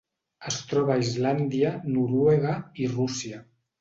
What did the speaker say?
Es troba a Islàndia, Noruega i Rússia.